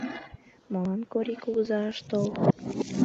Молан Корий кугызай ыш тол?